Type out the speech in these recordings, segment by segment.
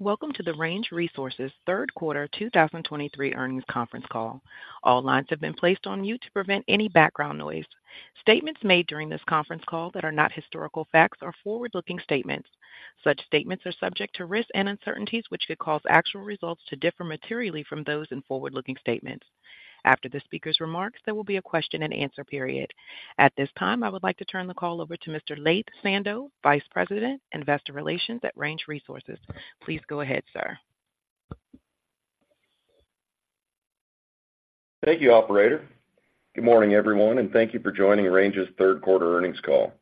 Welcome to the Range Resources Third Quarter 2023 earnings conference call. All lines have been placed on mute to prevent any background noise. Statements made during this conference call that are not historical facts are forward-looking statements. Such statements are subject to risks and uncertainties, which could cause actual results to differ materially from those in forward-looking statements. After the speaker's remarks, there will be a question-and-answer period. At this time, I would like to turn the call over to Mr. Laith Sando, Vice President, Investor Relations at Range Resources. Please go ahead, sir. Thank you, operator. Good morning, everyone, and thank you for joining Range's third quarter earnings call.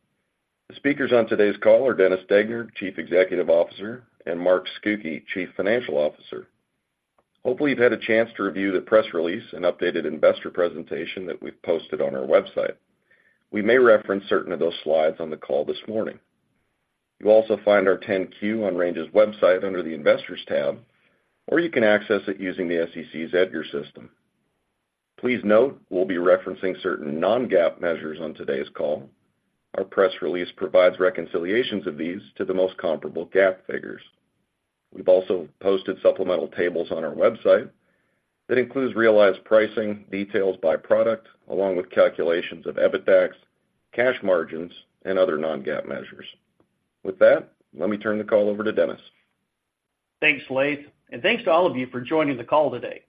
The speakers on today's call are Dennis Degner, Chief Executive Officer, and Mark Scucchi, Chief Financial Officer. Hopefully, you've had a chance to review the press release and updated investor presentation that we've posted on our website. We may reference certain of those slides on the call this morning. You'll also find our 10-Q on Range's website under the Investors tab, or you can access it using the SEC's EDGAR system. Please note, we'll be referencing certain non-GAAP measures on today's call. Our press release provides reconciliations of these to the most comparable GAAP figures. We've also posted supplemental tables on our website that includes realized pricing, details by product, along with calculations of EBITDAX, cash margins, and other non-GAAP measures. With that, let me turn the call over to Dennis. Thanks, Laith, and thanks to all of you for joining the call today.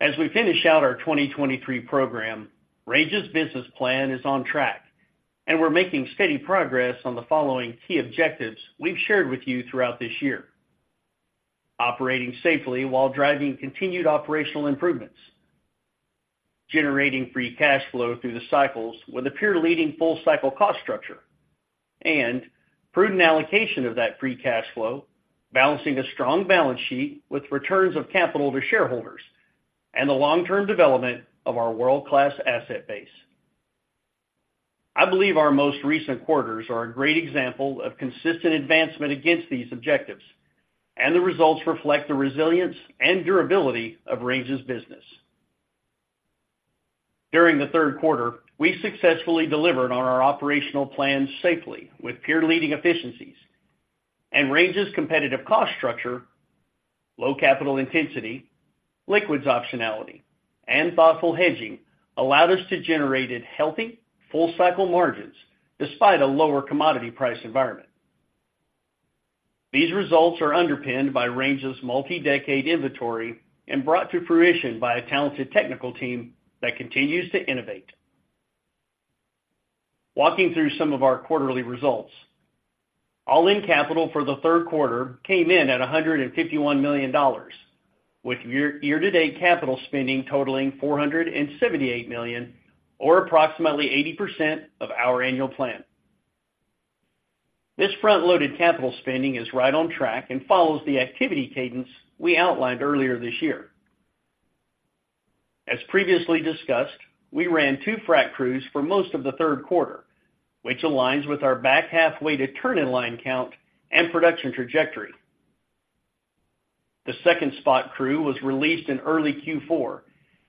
As we finish out our 2023 program, Range's business plan is on track, and we're making steady progress on the following key objectives we've shared with you throughout this year. Operating safely while driving continued operational improvements, generating free cash flow through the cycles with a peer-leading full cycle cost structure, and prudent allocation of that free cash flow, balancing a strong balance sheet with returns of capital to shareholders and the long-term development of our world-class asset base. I believe our most recent quarters are a great example of consistent advancement against these objectives, and the results reflect the resilience and durability of Range's business. During the third quarter, we successfully delivered on our operational plans safely with peer-leading efficiencies, and Range's competitive cost structure, low capital intensity, liquids optionality, and thoughtful hedging allowed us to generate healthy, full-cycle margins despite a lower commodity price environment. These results are underpinned by Range's multi-decade inventory and brought to fruition by a talented technical team that continues to innovate. Walking through some of our quarterly results. All-in capital for the third quarter came in at $151 million, with year-to-date capital spending totaling $478 million, or approximately 80% of our annual plan. This front-loaded capital spending is right on track and follows the activity cadence we outlined earlier this year. As previously discussed, we ran two frac crews for most of the third quarter, which aligns with our back half weighted turn-in-line count and production trajectory. The second spot crew was released in early Q4,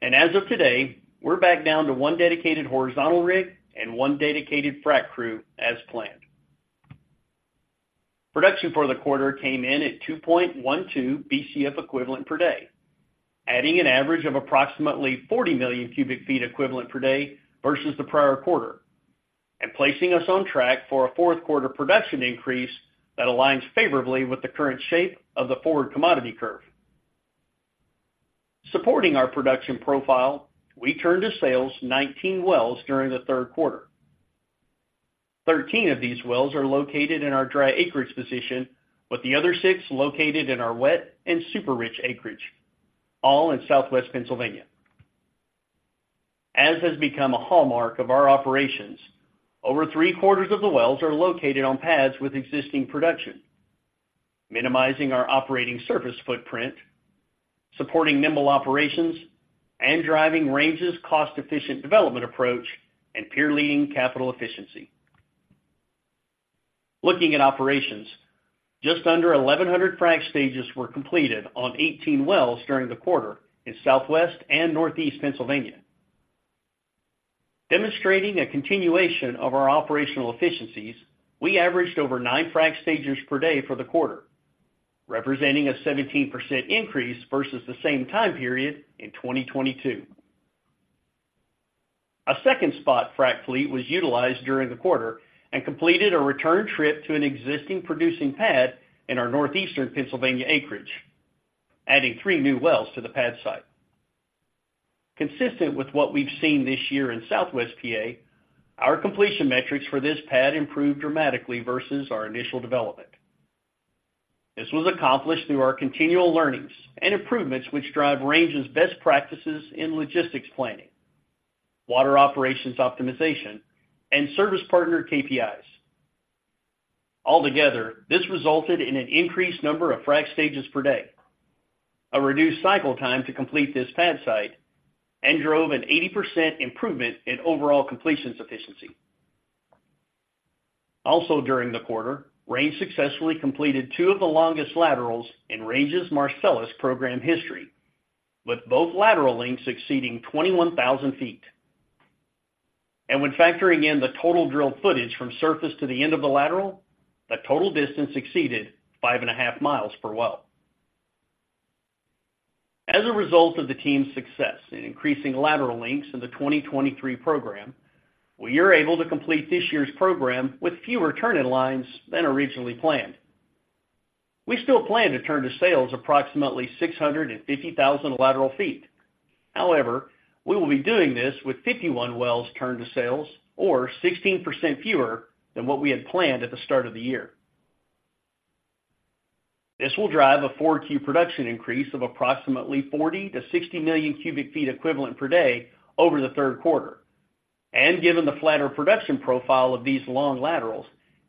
and as of today, we're back down to one dedicated horizontal rig and one dedicated frac crew as planned. Production for the quarter came in at 2.12 BCF equivalent per day, adding an average of approximately 40 million cubic feet equivalent per day versus the prior quarter, and placing us on track for a fourth quarter production increase that aligns favorably with the current shape of the forward commodity curve. Supporting our production profile, we turned to sales 19 wells during the third quarter. Thirteen of these wells are located in our dry acreage position, with the other six located in our wet and super-rich acreage, all in Southwest Pennsylvania. As has become a hallmark of our operations, over three-quarters of the wells are located on pads with existing production, minimizing our operating surface footprint, supporting nimble operations, and driving Range's cost-efficient development approach and peer-leading capital efficiency. Looking at operations, just under 1,100 frac stages were completed on 18 wells during the quarter in Southwest Pennsylvania and Northeast Pennsylvania. Demonstrating a continuation of our operational efficiencies, we averaged over nine frac stages per day for the quarter, representing a 17% increase versus the same time period in 2022. A second spot, frac fleet, was utilized during the quarter and completed a return trip to an existing producing pad in our Northeast Pennsylvania acreage, adding three new wells to the pad site. Consistent with what we've seen this year in Southwest PA, our completion metrics for this pad improved dramatically versus our initial development. This was accomplished through our continual learnings and improvements, which drive Range's best practices in logistics planning, water operations optimization, and service partner KPIs. Altogether, this resulted in an increased number of frac stages per day, a reduced cycle time to complete this pad site and drove an 80% improvement in overall completions efficiency. Also, during the quarter, Range successfully completed two of the longest laterals in Range's Marcellus program history, with both lateral lengths exceeding 21,000 ft.... And when factoring in the total drilled footage from surface to the end of the lateral, the total distance exceeded 5.5 mi per well. As a result of the team's success in increasing lateral lengths in the 2023 program, we are able to complete this year's program with fewer turn-in-lines than originally planned. We still plan to turn to sales approximately 650,000 lateral feet. However, we will be doing this with 51 wells turned to sales, or 16% fewer than what we had planned at the start of the year. This will drive a 4Q production increase of approximately 40 million-60 million cubic feet equivalent per day over the third quarter. Given the flatter production profile of these long laterals,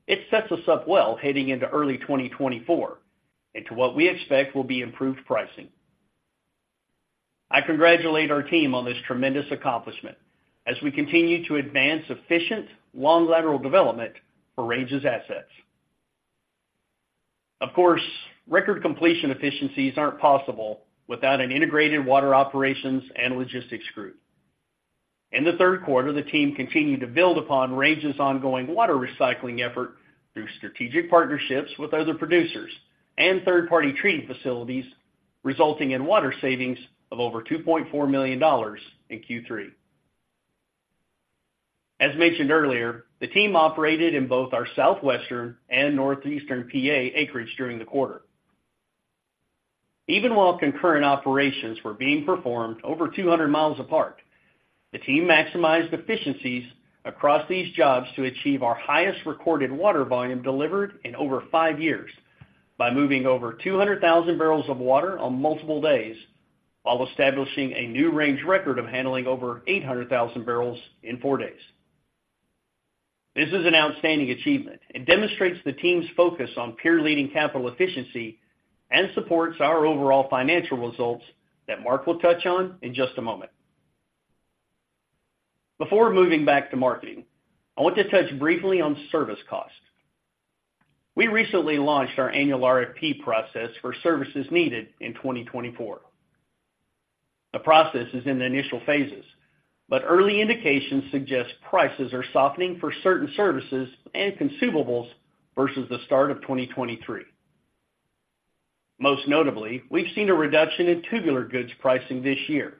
it sets us up well heading into early 2024, into what we expect will be improved pricing. I congratulate our team on this tremendous accomplishment as we continue to advance efficient, long lateral development for Range's assets. Of course, record completion efficiencies aren't possible without an integrated water operations and logistics group. In the third quarter, the team continued to build upon Range's ongoing water recycling effort through strategic partnerships with other producers and third-party treating facilities, resulting in water savings of over $2.4 million in Q3. As mentioned earlier, the team operated in both our Southwestern and Northeastern PA acreage during the quarter. Even while concurrent operations were being performed over 200 mi apart, the team maximized efficiencies across these jobs to achieve our highest recorded water volume delivered in over five years, by moving over 200,000 bbl of water on multiple days, while establishing a new Range record of handling over 800,000 bbl in four days. This is an outstanding achievement and demonstrates the team's focus on peer-leading capital efficiency and supports our overall financial results that Mark will touch on in just a moment. Before moving back to marketing, I want to touch briefly on service costs. We recently launched our annual RFP process for services needed in 2024. The process is in the initial phases, but early indications suggest prices are softening for certain services and consumables versus the start of 2023. Most notably, we've seen a reduction in tubular goods pricing this year,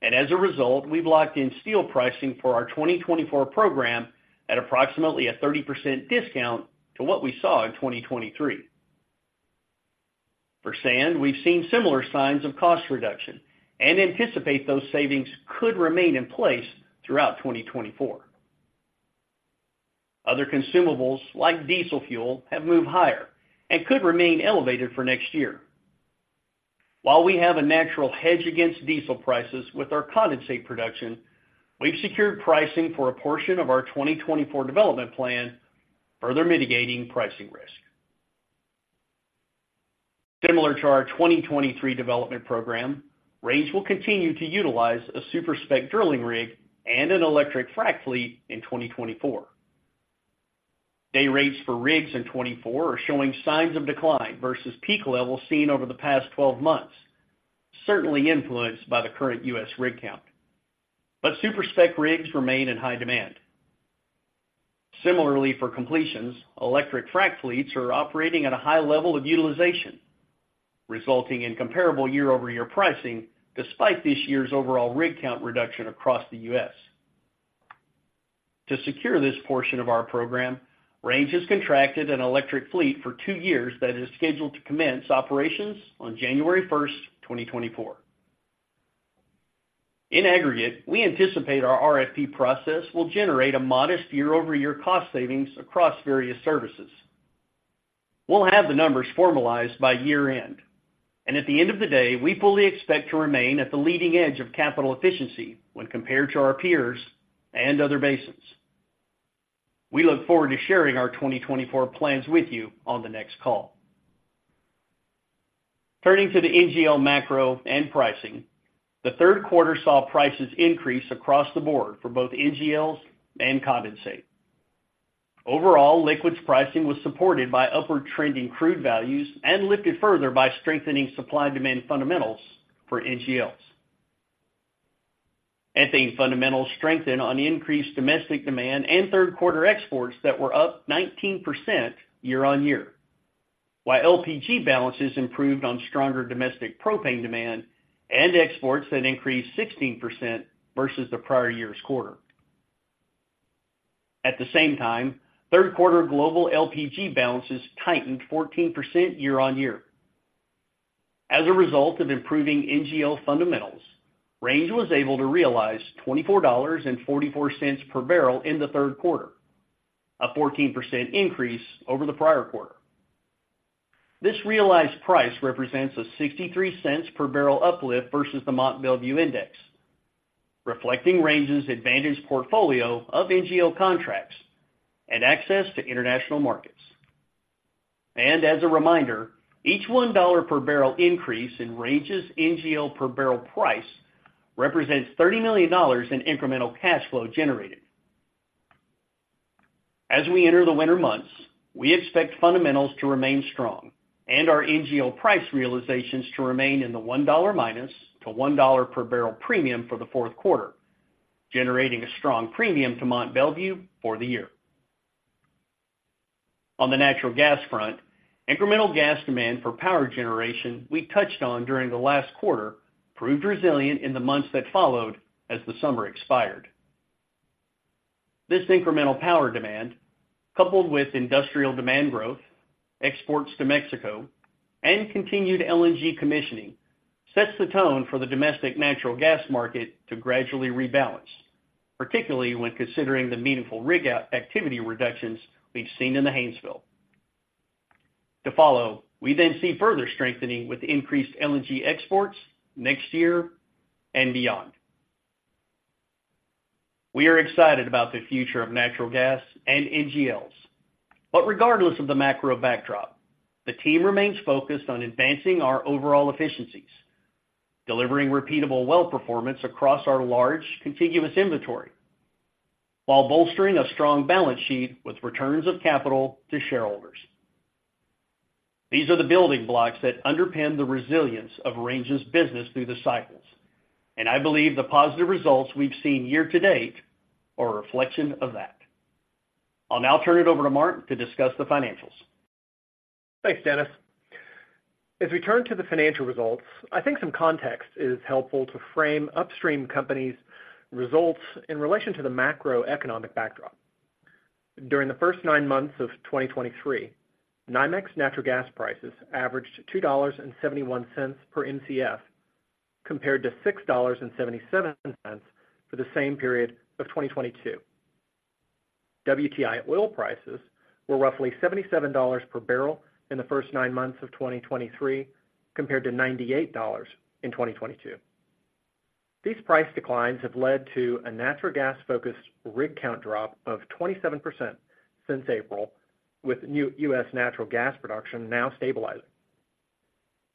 and as a result, we've locked in steel pricing for our 2024 program at approximately a 30% discount to what we saw in 2023. For sand, we've seen similar signs of cost reduction and anticipate those savings could remain in place throughout 2024. Other consumables, like diesel fuel, have moved higher and could remain elevated for next year. While we have a natural hedge against diesel prices with our condensate production, we've secured pricing for a portion of our 2024 development plan, further mitigating pricing risk. Similar to our 2023 development program, Range will continue to utilize a super-spec drilling rig and an electric frac fleet in 2024. Day rates for rigs in 2024 are showing signs of decline versus peak levels seen over the past 12 months, certainly influenced by the current U.S. rig count. But super-spec rigs remain in high demand. Similarly, for completions, electric frac fleets are operating at a high level of utilization, resulting in comparable year-over-year pricing, despite this year's overall rig count reduction across the U.S. To secure this portion of our program, Range has contracted an electric fleet for two years that is scheduled to commence operations on January 1st, 2024. In aggregate, we anticipate our RFP process will generate a modest year-over-year cost savings across various services. We'll have the numbers formalized by year-end, and at the end of the day, we fully expect to remain at the leading edge of capital efficiency when compared to our peers and other basins. We look forward to sharing our 2024 plans with you on the next call. Turning to the NGL macro and pricing, the third quarter saw prices increase across the board for both NGLs and condensate. Overall, liquids pricing was supported by upward trend in crude values and lifted further by strengthening supply-demand fundamentals for NGLs. Ethane fundamentals strengthened on increased domestic demand and third quarter exports that were up 19% year-on-year, while LPG balances improved on stronger domestic propane demand and exports that increased 16% versus the prior year's quarter. At the same time, third quarter global LPG balances tightened 14% year-on-year. As a result of improving NGL fundamentals, Range was able to realize $24.44 per barrel in the third quarter, a 14% increase over the prior quarter. This realized price represents a $0.63 per barrel uplift versus the Mont Belvieu Index, reflecting Range's advantaged portfolio of NGL contracts and access to international markets. As a reminder, each $1 per barrel increase in Range's NGL per barrel price represents $30 million in incremental cash flow generated. As we enter the winter months, we expect fundamentals to remain strong and our NGL price realizations to remain in the -$1 to $1 per barrel premium for the fourth quarter, generating a strong premium to Mont Belvieu for the year. On the natural gas front, incremental gas demand for power generation we touched on during the last quarter proved resilient in the months that followed as the summer expired. This incremental power demand, coupled with industrial demand growth, exports to Mexico, and continued LNG commissioning, sets the tone for the domestic natural gas market to gradually rebalance, particularly when considering the meaningful rig activity reductions we've seen in the Haynesville. To follow, we then see further strengthening with increased LNG exports next year and beyond. We are excited about the future of natural gas and NGLs, but regardless of the macro backdrop, the team remains focused on advancing our overall efficiencies, delivering repeatable well performance across our large contiguous inventory, while bolstering a strong balance sheet with returns of capital to shareholders. These are the building blocks that underpin the resilience of Range's business through the cycles, and I believe the positive results we've seen year-to-date are a reflection of that. I'll now turn it over to Mark to discuss the financials. Thanks, Dennis. As we turn to the financial results, I think some context is helpful to frame upstream companies' results in relation to the macroeconomic backdrop. During the first nine months of 2023, NYMEX natural gas prices averaged $2.71 per MCF, compared to $6.77 for the same period of 2022. WTI oil prices were roughly $77 per barrel in the first nine months of 2023, compared to $98 in 2022. These price declines have led to a natural gas-focused rig count drop of 27% since April, with new U.S. natural gas production now stabilizing.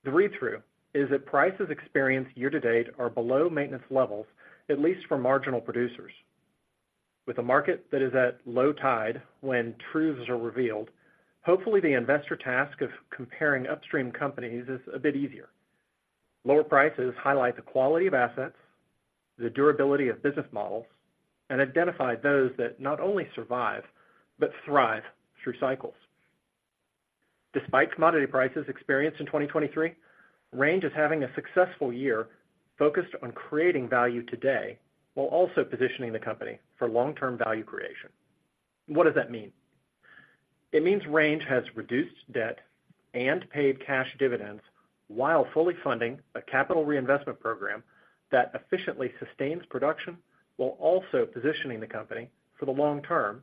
The read-through is that prices experienced year-to-date are below maintenance levels, at least for marginal producers. With a market that is at low tide when truths are revealed, hopefully, the investor task of comparing upstream companies is a bit easier. Lower prices highlight the quality of assets, the durability of business models, and identify those that not only survive, but thrive through cycles. Despite commodity prices experienced in 2023, Range is having a successful year focused on creating value today while also positioning the company for long-term value creation. What does that mean? It means Range has reduced debt and paid cash dividends while fully funding a capital reinvestment program that efficiently sustains production, while also positioning the company for the long term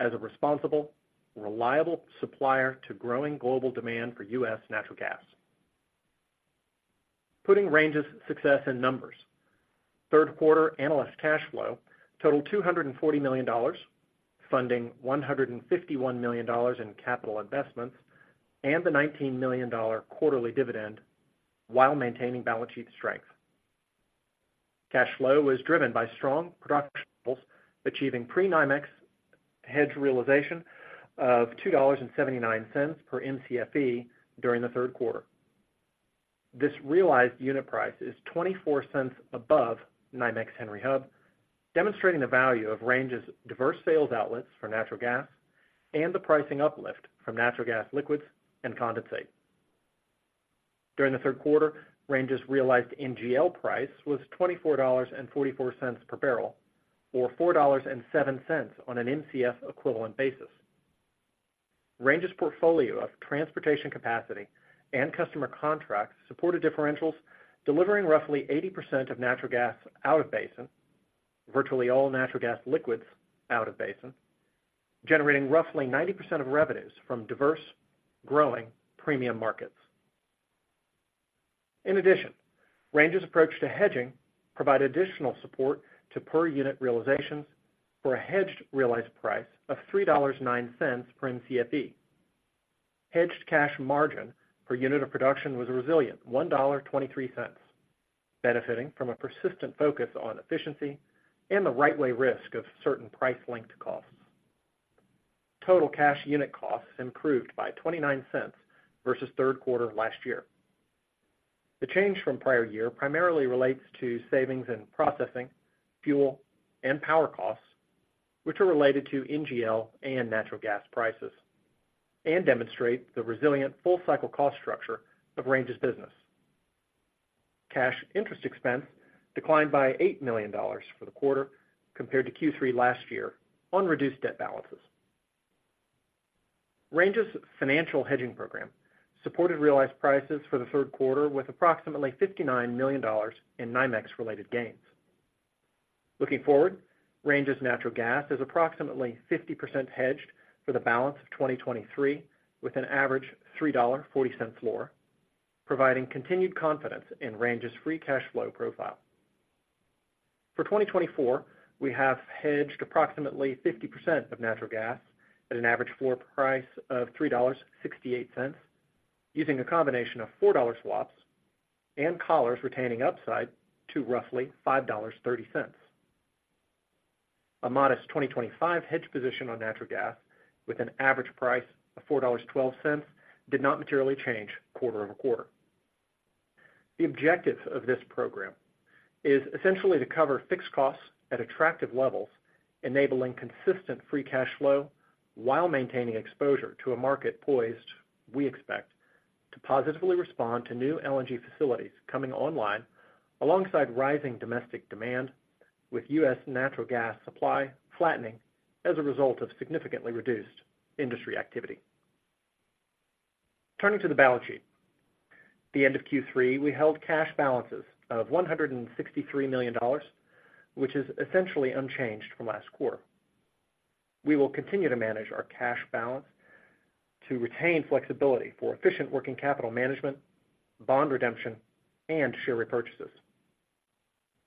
as a responsible, reliable supplier to growing global demand for U.S. natural gas. Putting Range's success in numbers. Third quarter adjusted cash flow totaled $240 million, funding $151 million in capital investments and the $19 million quarterly dividend, while maintaining balance sheet strength. Cash flow was driven by strong production, achieving pre-NYMEX hedge realization of $2.79 per MCFE during the third quarter. This realized unit price is $0.24 above NYMEX Henry Hub, demonstrating the value of Range's diverse sales outlets for natural gas and the pricing uplift from natural gas liquids and condensate. During the third quarter, Range's realized NGL price was $24.44 per barrel, or $4.07 on an MCF equivalent basis. Range's portfolio of transportation capacity and customer contracts supported differentials, delivering roughly 80% of natural gas out of basin, virtually all natural gas liquids out of basin, generating roughly 90% of revenues from diverse, growing premium markets. In addition, Range's approach to hedging provided additional support to per unit realizations for a hedged realized price of $3.09 per MCFE. Hedged cash margin per unit of production was a resilient $1.23, benefiting from a persistent focus on efficiency and the right way risk of certain price-linked costs. Total cash unit costs improved by $0.29 versus third quarter of last year. The change from prior year primarily relates to savings in processing, fuel, and power costs, which are related to NGL and natural gas prices, and demonstrate the resilient full cycle cost structure of Range's business. Cash interest expense declined by $8 million for the quarter compared to Q3 last year on reduced debt balances. Range's financial hedging program supported realized prices for the third quarter with approximately $59 million in NYMEX-related gains. Looking forward, Range's natural gas is approximately 50% hedged for the balance of 2023, with an average $3.40 floor, providing continued confidence in Range's free cash flow profile. For 2024, we have hedged approximately 50% of natural gas at an average floor price of $3.68, using a combination of $4 swaps and collars retaining upside to roughly $5.30. A modest 2025 hedge position on natural gas, with an average price of $4.12, did not materially change quarter-over-quarter. The objective of this program is essentially to cover fixed costs at attractive levels, enabling consistent free cash flow while maintaining exposure to a market poised, we expect, to positively respond to new LNG facilities coming online, alongside rising domestic demand, with U.S. natural gas supply flattening as a result of significantly reduced industry activity. Turning to the balance sheet. At the end of Q3, we held cash balances of $163 million, which is essentially unchanged from last quarter. We will continue to manage our cash balance to retain flexibility for efficient working capital management, bond redemption, and share repurchases.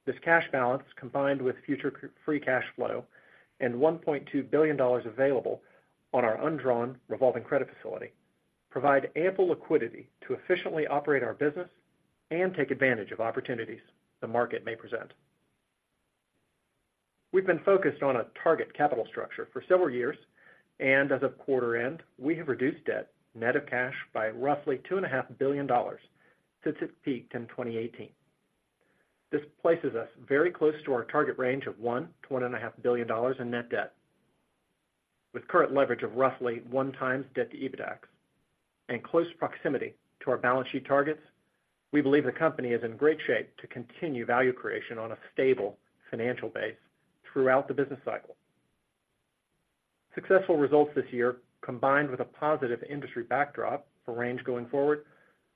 This cash balance, combined with future free cash flow and $1.2 billion available on our undrawn revolving credit facility, provide ample liquidity to efficiently operate our business and take advantage of opportunities the market may present. We've been focused on a target capital structure for several years, and as of quarter end, we have reduced debt net of cash by roughly $2.5 billion since it peaked in 2018. This places us very close to our target range of $1 billion-$1.5 billion in net debt, with current leverage of roughly 1x debt to EBITDA. In close proximity to our balance sheet targets, we believe the company is in great shape to continue value creation on a stable financial base throughout the business cycle. Successful results this year, combined with a positive industry backdrop for Range going forward,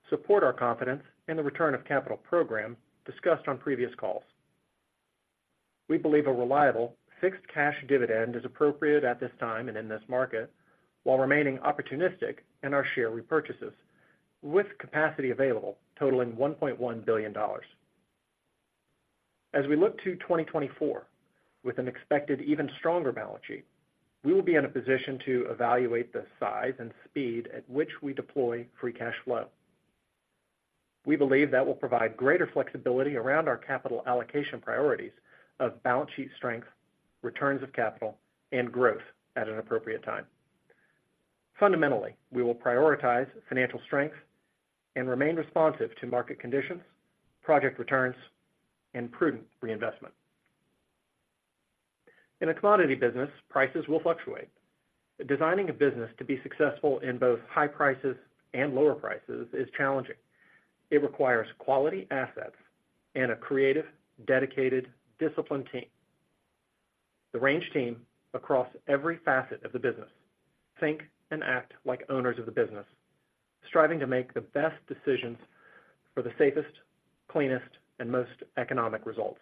support our confidence in the return of capital program discussed on previous calls. We believe a reliable fixed cash dividend is appropriate at this time and in this market, while remaining opportunistic in our share repurchases, with capacity available totaling $1.1 billion. As we look to 2024, with an expected even stronger balance sheet, we will be in a position to evaluate the size and speed at which we deploy free cash flow. We believe that will provide greater flexibility around our capital allocation priorities of balance sheet strength, returns of capital, and growth at an appropriate time. Fundamentally, we will prioritize financial strength and remain responsive to market conditions, project returns, and prudent reinvestment. In a commodity business, prices will fluctuate. Designing a business to be successful in both high prices and lower prices is challenging. It requires quality assets and a creative, dedicated, disciplined team. The Range team, across every facet of the business, think and act like owners of the business, striving to make the best decisions for the safest, cleanest, and most economic results.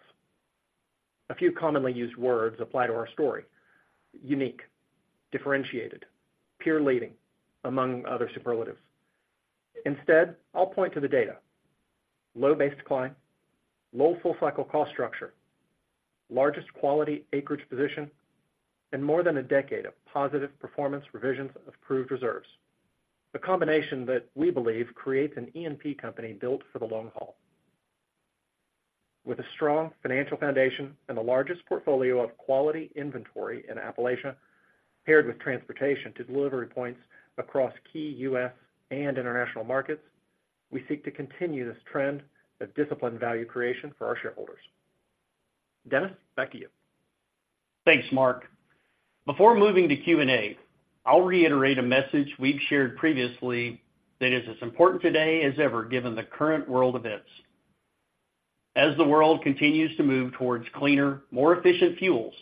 A few commonly used words apply to our story: unique, differentiated, peer-leading, among other superlatives. Instead, I'll point to the data. Low base decline, low full cycle cost structure, largest quality acreage position, and more than a decade of positive performance revisions of proved reserves. A combination that we believe creates an E&P company built for the long haul. With a strong financial foundation and the largest portfolio of quality inventory in Appalachia, paired with transportation to delivery points across key U.S. and international markets, we seek to continue this trend of disciplined value creation for our shareholders. Dennis, back to you. Thanks, Mark. Before moving to Q&A, I'll reiterate a message we've shared previously that is as important today as ever, given the current world events. As the world continues to move towards cleaner, more efficient fuels,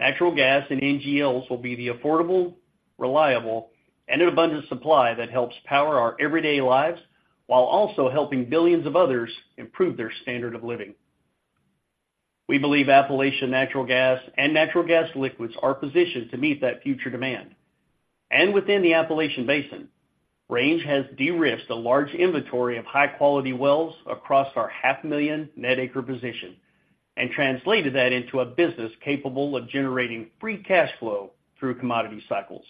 natural gas and NGLs will be the affordable, reliable, and an abundant supply that helps power our everyday lives, while also helping billions of others improve their standard of living. We believe Appalachian natural gas and natural gas liquids are positioned to meet that future demand. And within the Appalachian Basin, Range has de-risked a large inventory of high-quality wells across our 500,000 net acre position and translated that into a business capable of generating free cash flow through commodity cycles,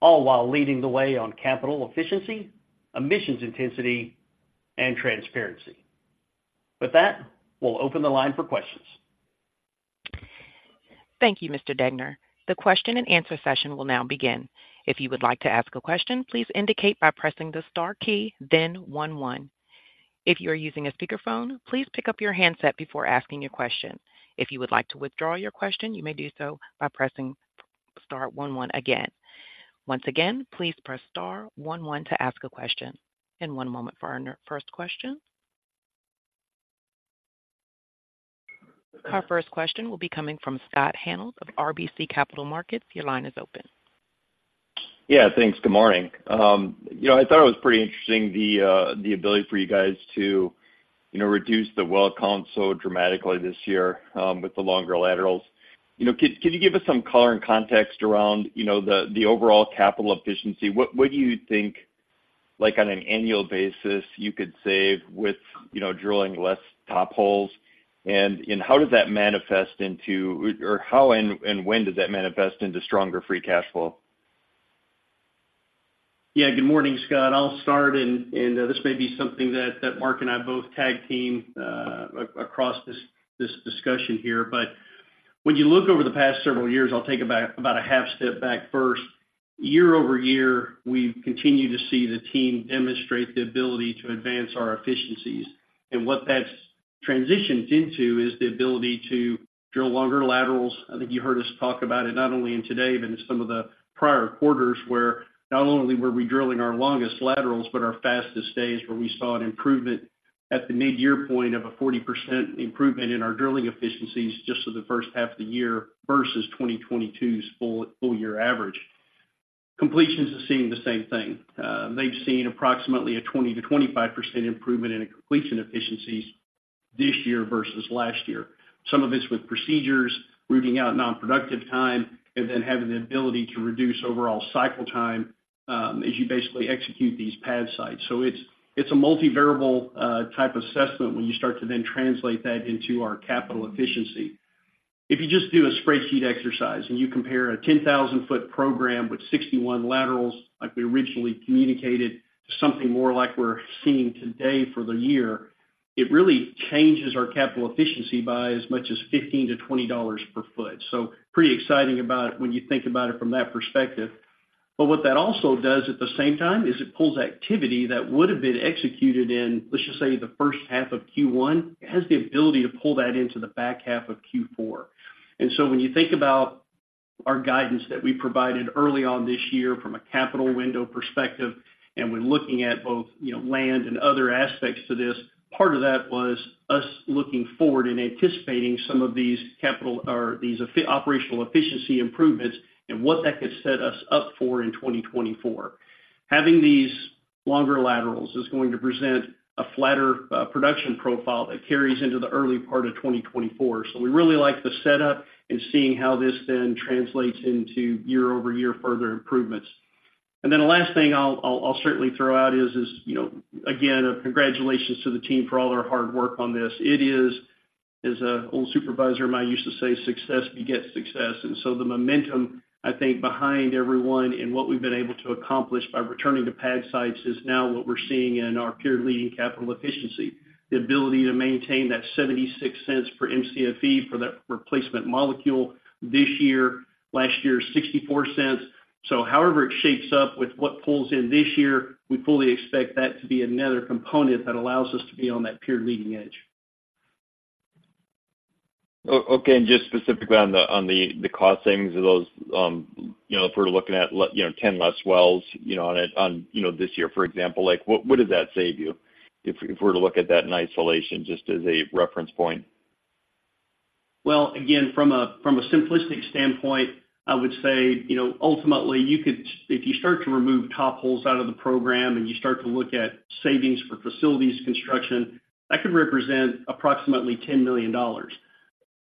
all while leading the way on capital efficiency, emissions intensity, and transparency. With that, we'll open the line for questions. Thank you, Mr. Degner. The question-and-answer session will now begin. If you would like to ask a question, please indicate by pressing the star key, then one, one. If you are using a speakerphone, please pick up your handset before asking your question. If you would like to withdraw your question, you may do so by pressing star one, one again. Once again, please press star one, one to ask a question. One moment for our first question. Our first question will be coming from Scott Hanold of RBC Capital Markets. Your line is open. Yeah, thanks. Good morning. You know, I thought it was pretty interesting, the ability for you guys to, you know, reduce the well count so dramatically this year with the longer laterals. You know, can you give us some color and context around, you know, the overall capital efficiency? What do you think, like on an annual basis, you could save with, you know, drilling less top holes? And how does that manifest into, or how and when does that manifest into stronger free cash flow? ... Yeah, good morning, Scott. I'll start, this may be something that Mark and I both tag team across this discussion here. But when you look over the past several years, I'll take about a half step back first. Year-over-year, we've continued to see the team demonstrate the ability to advance our efficiencies. And what that's transitioned into is the ability to drill longer laterals. I think you heard us talk about it, not only in today, but in some of the prior quarters, where not only were we drilling our longest laterals, but our fastest days, where we saw an improvement at the mid-year point of a 40% improvement in our drilling efficiencies, just for the first half of the year versus 2022's full year average. Completions are seeing the same thing. They've seen approximately a 20%-25% improvement in completion efficiencies this year versus last year. Some of it's with procedures, rooting out non-productive time, and then having the ability to reduce overall cycle time, as you basically execute these pad sites. So it's, it's a multivariable, type assessment when you start to then translate that into our capital efficiency. If you just do a spreadsheet exercise, and you compare a 10,000 ft program with 61 laterals, like we originally communicated, to something more like we're seeing today for the year, it really changes our capital efficiency by as much as $15-$20 per foot. So pretty exciting about it when you think about it from that perspective. But what that also does, at the same time, is it pulls activity that would have been executed in, let's just say, the first half of Q1. It has the ability to pull that into the back half of Q4. And so when you think about our guidance that we provided early on this year from a capital window perspective, and when looking at both, you know, land and other aspects to this, part of that was us looking forward and anticipating some of these capital or these operational efficiency improvements and what that could set us up for in 2024. Having these longer laterals is going to present a flatter production profile that carries into the early part of 2024. So we really like the setup and seeing how this then translates into year-over-year further improvements. And then the last thing I'll certainly throw out is, you know, again, a congratulations to the team for all their hard work on this. It is, as an old supervisor of mine used to say, "Success begets success." And so the momentum, I think, behind everyone and what we've been able to accomplish by returning to pad sites is now what we're seeing in our peer-leading capital efficiency. The ability to maintain that $0.76 per MCFE for that replacement molecule this year. Last year, $0.64. So however it shapes up with what pulls in this year, we fully expect that to be another component that allows us to be on that peer-leading edge. Okay, and just specifically on the cost savings of those, you know, if we're looking at, you know, 10 less wells, you know, on it, you know, this year, for example, like, what does that save you, if we're to look at that in isolation, just as a reference point? Well, again, from a simplistic standpoint, I would say, you know, ultimately, you could—if you start to remove top holes out of the program, and you start to look at savings for facilities construction, that could represent approximately $10 million.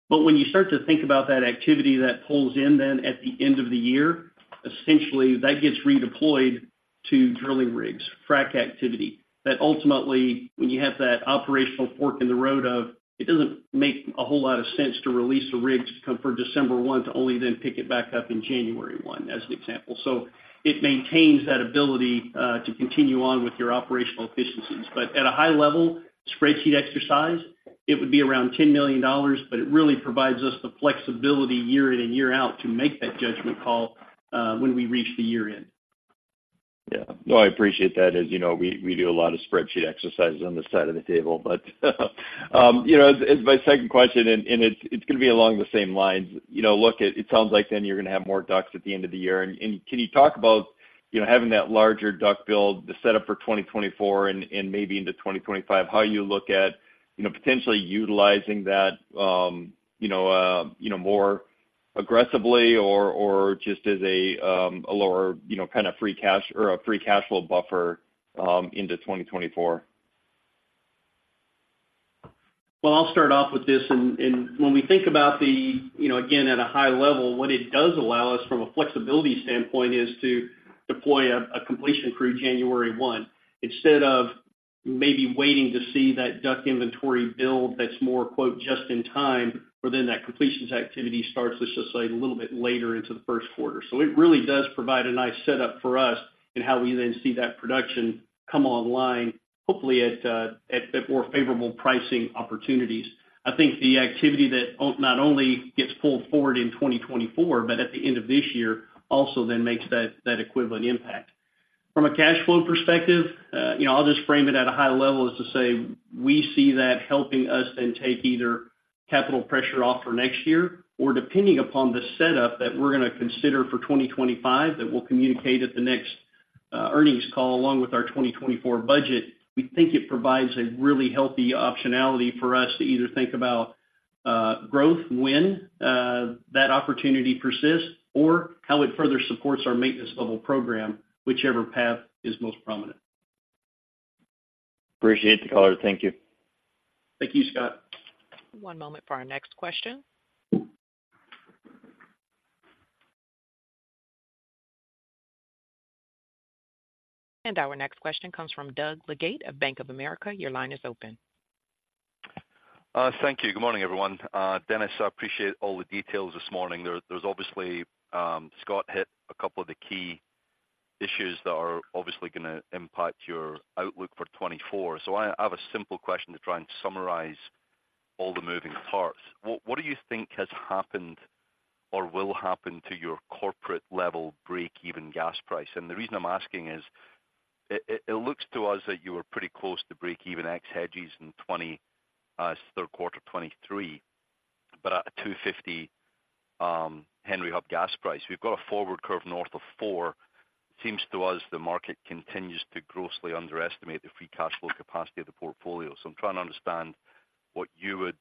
But when you start to think about that activity that pulls in then at the end of the year, essentially, that gets redeployed to drilling rigs, frac activity, that ultimately, when you have that operational fork in the road of, it doesn't make a whole lot of sense to release the rig to come for December 1, to only then pick it back up in January 1, as an example. So it maintains that ability to continue on with your operational efficiencies. But at a high level, spreadsheet exercise, it would be around $10 million, but it really provides us the flexibility year in and year out to make that judgment call when we reach the year-end. Yeah. No, I appreciate that. As you know, we do a lot of spreadsheet exercises on this side of the table. But, you know, as my second question, and it's gonna be along the same lines. You know, look, it sounds like then you're gonna have more DUCs at the end of the year. And can you talk about, you know, having that larger DUC build, the setup for 2024 and maybe into 2025, how you look at, you know, potentially utilizing that, you know, more aggressively or just as a lower, you know, kind of free cash or a free cash flow buffer, into 2024? Well, I'll start off with this. And when we think about the, you know, again, at a high level, what it does allow us, from a flexibility standpoint, is to deploy a completion crew January 1, instead of maybe waiting to see that DUC inventory build that's more, quote, just in time, but then that completions activity starts, let's just say, a little bit later into the first quarter. So it really does provide a nice setup for us in how we then see that production come online, hopefully at more favorable pricing opportunities. I think the activity that not only gets pulled forward in 2024, but at the end of this year, also then makes that equivalent impact. From a cash flow perspective, you know, I'll just frame it at a high level as to say, we see that helping us then take either capital pressure off for next year, or depending upon the setup that we're gonna consider for 2025, that we'll communicate at the next earnings call, along with our 2024 budget, we think it provides a really healthy optionality for us to either think about growth when that opportunity persists, or how it further supports our maintenance level program, whichever path is most prominent. Appreciate the color. Thank you. Thank you, Scott. One moment for our next question. Our next question comes from Doug Leggate of Bank of America. Your line is open.... Thank you. Good morning, everyone. Dennis, I appreciate all the details this morning. There's obviously, Scott hit a couple of the key issues that are obviously gonna impact your outlook for 2024. So I have a simple question to try and summarize all the moving parts. What do you think has happened or will happen to your corporate level break-even gas price? And the reason I'm asking is, it looks to us that you were pretty close to break-even ex hedges in third quarter 2023, but at a $2.50 Henry Hub gas price. We've got a forward curve north of $4. Seems to us, the market continues to grossly underestimate the free cash flow capacity of the portfolio. So I'm trying to understand what you would,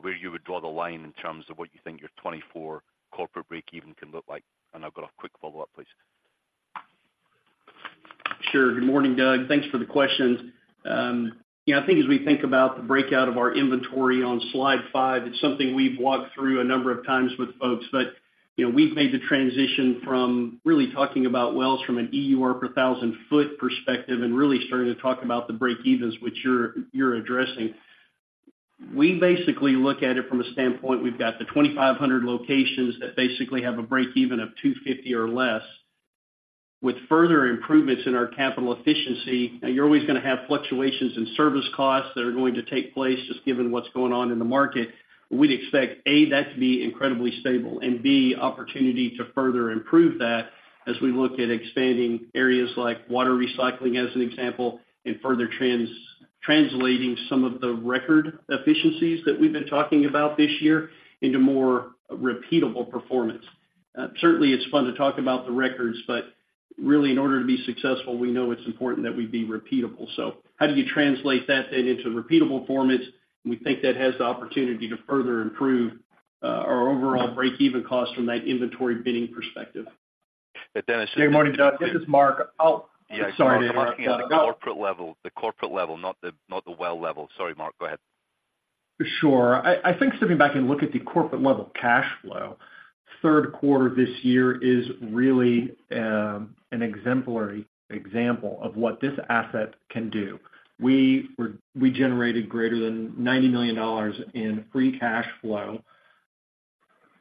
where you would draw the line in terms of what you think your 2024 corporate break even can look like. And I've got a quick follow-up, please. Sure. Good morning, Doug. Thanks for the question. Yeah, I think as we think about the breakout of our inventory on slide five, it's something we've walked through a number of times with folks. But, you know, we've made the transition from really talking about wells from an EUR per thousand foot perspective and really starting to talk about the breakevens, which you're addressing. We basically look at it from a standpoint, we've got the 2,500 locations that basically have a breakeven of $2.50 or less. With further improvements in our capital efficiency, now you're always gonna have fluctuations in service costs that are going to take place, just given what's going on in the market. We'd expect, A, that to be incredibly stable, and B, opportunity to further improve that as we look at expanding areas like water recycling, as an example, and further trans-translating some of the record efficiencies that we've been talking about this year into more repeatable performance. Certainly, it's fun to talk about the records, but really, in order to be successful, we know it's important that we be repeatable. So how do you translate that data into repeatable formats? We think that has the opportunity to further improve our overall break even cost from that inventory bidding perspective. But Dennis- Good morning, Doug. This is Mark. Oh, I'm sorry to interrupt. Yeah, I'm asking at the corporate level, the corporate level, not the, not the well level. Sorry, Mark, go ahead. Sure. I think stepping back and look at the corporate level cash flow, third quarter this year is really an exemplary example of what this asset can do. We generated greater than $90 million in free cash flow.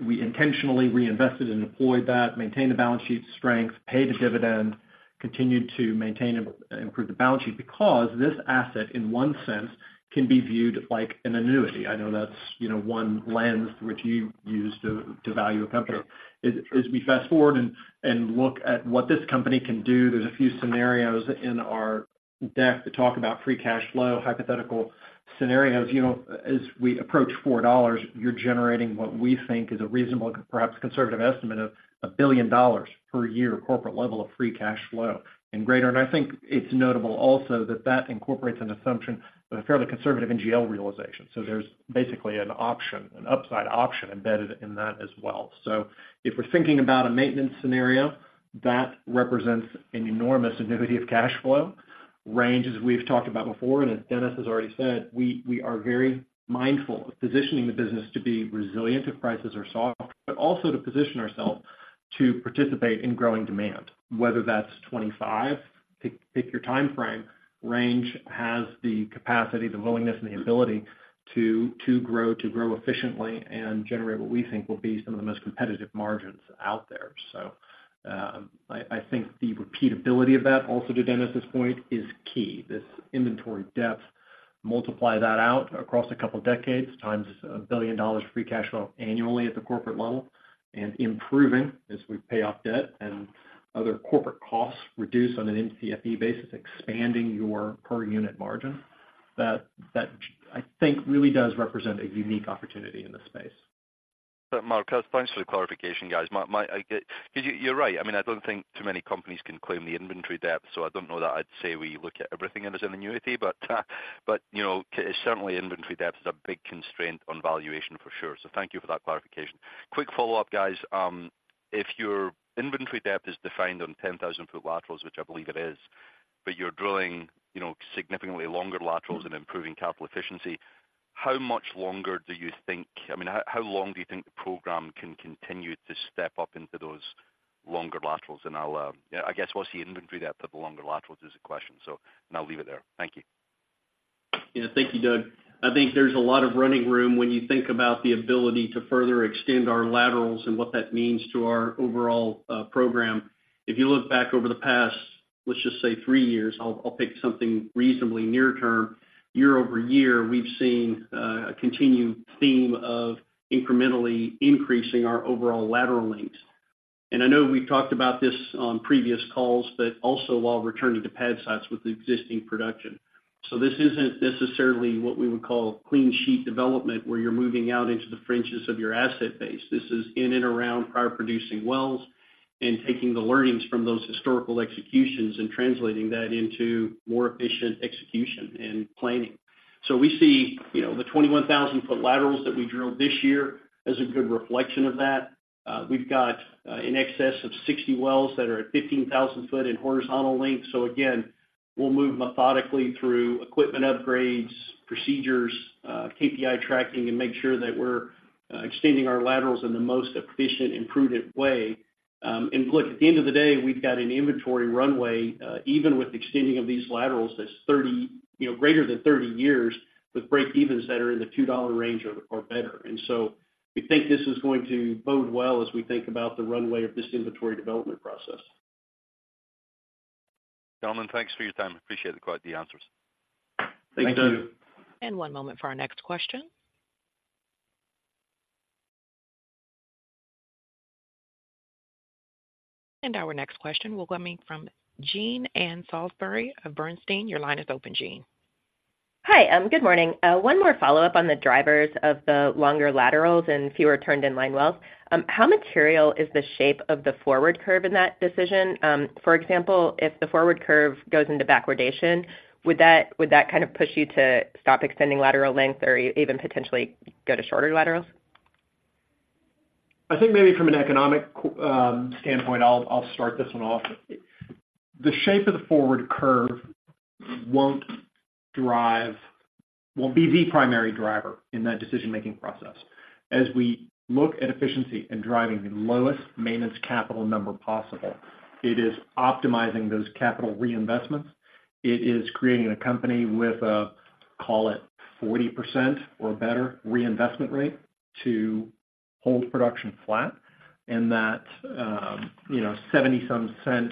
We intentionally reinvested and deployed that, maintained the balance sheet strength, paid a dividend, continued to maintain and improve the balance sheet because this asset, in one sense, can be viewed like an annuity. I know that's, you know, one lens which you use to value a company. Sure. As we fast forward and look at what this company can do, there's a few scenarios in our deck that talk about free cash flow, hypothetical scenarios. You know, as we approach $4, you're generating what we think is a reasonable, perhaps conservative estimate of $1 billion per year, corporate level of free cash flow and greater. And I think it's notable also that that incorporates an assumption of a fairly conservative NGL realization. So there's basically an option, an upside option embedded in that as well. So if we're thinking about a maintenance scenario, that represents an enormous annuity of cash flow. Range, as we've talked about before, and as Dennis has already said, we are very mindful of positioning the business to be resilient if prices are soft, but also to position ourselves to participate in growing demand, whether that's 2025, pick your time frame. Range has the capacity, the willingness, and the ability to grow efficiently and generate what we think will be some of the most competitive margins out there. So, I think the repeatability of that, also to Dennis's point, is key. This inventory depth, multiply that out across a couple of decades, times $1 billion free cash flow annually at the corporate level, and improving as we pay off debt and other corporate costs, reduce on a MCFE basis, expanding your per unit margin. That I think really does represent a unique opportunity in this space. Mark, thanks for the clarification, guys. I get... 'Cause you, you're right. I mean, I don't think too many companies can claim the inventory depth, so I don't know that I'd say we look at everything as an annuity, but you know, certainly inventory depth is a big constraint on valuation for sure. So thank you for that clarification. Quick follow-up, guys. If your inventory depth is defined on 10,000 ft laterals, which I believe it is, but you're drilling, you know, significantly longer laterals and improving capital efficiency, how much longer do you think—I mean, how long do you think the program can continue to step up into those longer laterals? And I'll, I guess, what's the inventory depth of the longer laterals is the question. So and I'll leave it there. Thank you. Yeah, thank you, Doug. I think there's a lot of running room when you think about the ability to further extend our laterals and what that means to our overall program. If you look back over the past, let's just say, three years, I'll pick something reasonably near term. Year-over-year, we've seen a continued theme of incrementally increasing our overall lateral lengths. And I know we've talked about this on previous calls, but also while returning to pad sites with existing production. So this isn't necessarily what we would call clean sheet development, where you're moving out into the fringes of your asset base. This is in and around prior producing wells and taking the learnings from those historical executions and translating that into more efficient execution and planning. We see, you know, the 21,000 ft laterals that we drilled this year as a good reflection of that. We've got, in excess of 60 wells that are at 15,000 ft in horizontal length. Again, we'll move methodically through equipment upgrades, procedures, KPI tracking, and make sure that we're extending our laterals in the most efficient and prudent way. ... and look, at the end of the day, we've got an inventory runway, even with extending of these laterals, that's 30, you know, greater than 30 years, with breakevens that are in the $2 range or, or better. And so we think this is going to bode well as we think about the runway of this inventory development process. Gentlemen, thanks for your time. Appreciate it, quite the answers. Thank you. One moment for our next question. Our next question will coming from Jean Ann Salisbury of Bernstein. Your line is open, Jean. Hi, good morning. One more follow-up on the drivers of the longer laterals and fewer turned-in-line wells. How material is the shape of the forward curve in that decision? For example, if the forward curve goes into backwardation, would that, would that kind of push you to stop extending lateral length or even potentially go to shorter laterals? I think maybe from an economic standpoint, I'll start this one off. The shape of the forward curve won't be the primary driver in that decision-making process. As we look at efficiency and driving the lowest maintenance capital number possible, it is optimizing those capital reinvestments. It is creating a company with a, call it, 40% or better reinvestment rate to hold production flat, and that, you know, $0.70-some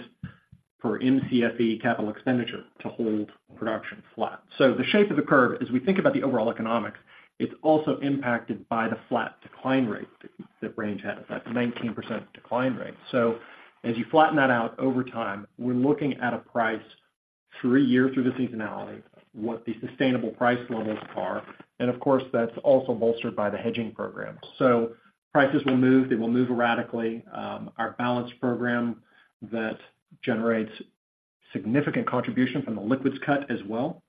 per MCFE capital expenditure to hold production flat. So the shape of the curve, as we think about the overall economics, it's also impacted by the flat decline rate that Range has, that 19% decline rate. So as you flatten that out over time, we're looking at a price three years through the seasonality, what the sustainable price levels are, and of course, that's also bolstered by the hedging program. So prices will move, they will move erratically. Our balance program that generates significant contribution from the liquids cut as well,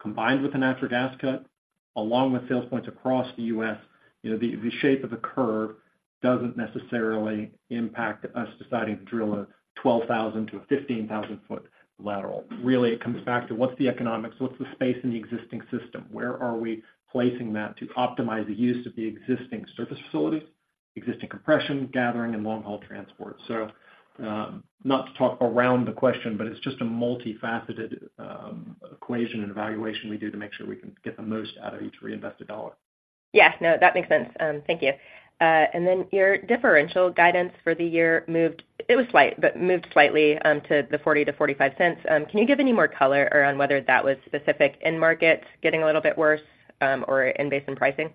combined with the natural gas cut, along with sales points across the U.S., you know, the shape of the curve doesn't necessarily impact us deciding to drill a 12,000 ft to a 15,000 ft lateral. Really, it comes back to: What's the economics? What's the space in the existing system? Where are we placing that to optimize the use of the existing surface facilities, existing compression, gathering, and long-haul transport? So, not to talk around the question, but it's just a multifaceted equation and evaluation we do to make sure we can get the most out of each reinvested dollar. Yes. No, that makes sense. Thank you. And then your differential guidance for the year moved... It was slight, but moved slightly, to the $0.40-$0.45. Can you give any more color around whether that was specific end markets getting a little bit worse, or in basin pricing?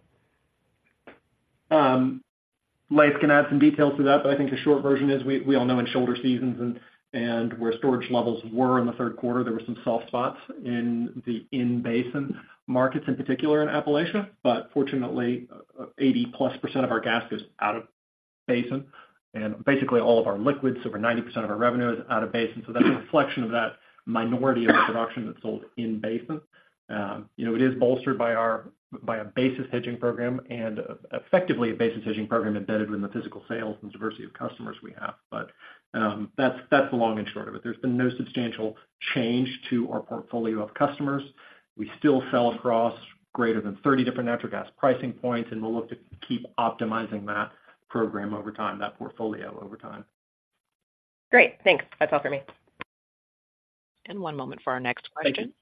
Laith can add some details to that, but I think the short version is we all know in shoulder seasons and where storage levels were in the third quarter, there were some soft spots in the in-basin markets, in particular in Appalachia. But fortunately, 80%+ of our gas is out of basin, and basically, all of our liquids, over 90% of our revenue is out of basin. So that's a reflection of that minority of the production that's sold in basin. You know, it is bolstered by our, by a basis hedging program and effectively, a basis hedging program embedded within the physical sales and diversity of customers we have. But, that's the long and short of it. There's been no substantial change to our portfolio of customers. We still sell across greater than 30 different natural gas pricing points, and we'll look to keep optimizing that program over time, that portfolio over time. Great, thanks. That's all for me. One moment for our next question. Thank you.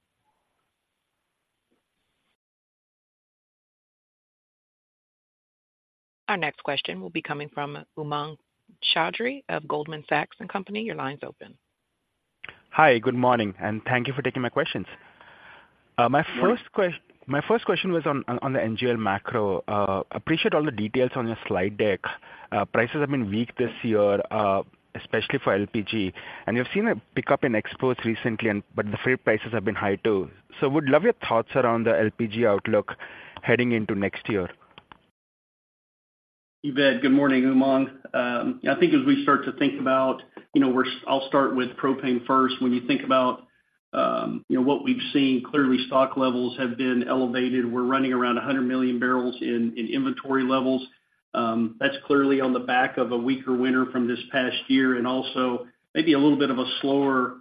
Our next question will be coming from Umang Choudhary of Goldman Sachs and Company. Your line's open. Hi, good morning, and thank you for taking my questions. My first question was on the NGL macro. Appreciate all the details on your slide deck. Prices have been weak this year, especially for LPG, and you've seen a pickup in exports recently and but the freight prices have been high, too. So would love your thoughts around the LPG outlook heading into next year. You bet. Good morning, Umang. I think as we start to think about, you know, where. I'll start with propane first. When you think about, you know, what we've seen, clearly stock levels have been elevated. We're running around 100 million bbl in inventory levels. That's clearly on the back of a weaker winter from this past year and also maybe a little bit of a slower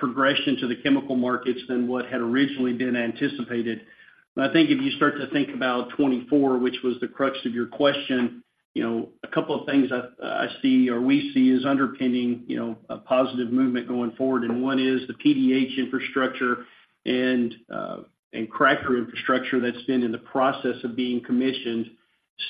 progression to the chemical markets than what had originally been anticipated. But I think if you start to think about 2024, which was the crux of your question, you know, a couple of things I, I see or we see as underpinning, you know, a positive movement going forward, and one is the PDH infrastructure and, and cracker infrastructure that's been in the process of being commissioned,